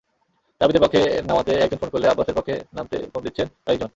তাবিথের পক্ষে নামাতে একজন ফোন করলে, আব্বাসের পক্ষে নামতে ফোন দিচ্ছেন আরেকজন।